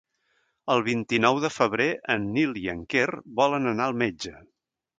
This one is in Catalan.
El vint-i-nou de febrer en Nil i en Quer volen anar al metge.